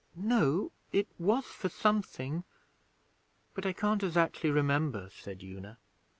'No. It was for something, but I can't azactly remember,' said Una.